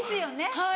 はい。